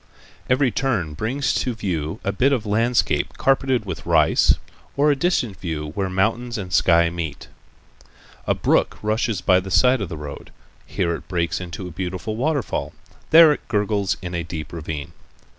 Every turn brings to view a bit of landscape carpeted with rice, or a distant view where mountains and sky meet. A brook rushes by the side of the road. Here it breaks into a beautiful waterfall. There it gurgles' in a deep ravine.